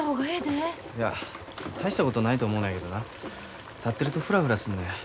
いや大したことないと思うのやけどな立ってるとフラフラするのや。